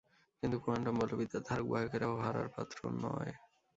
কিন্তু কোয়ান্টাম বলবিদ্যার ধারক-বাহকেরাও হারার পাত্র নয়।